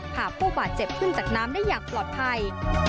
พาผู้บาดเจ็บขึ้นจากน้ำได้อย่างปลอดภัย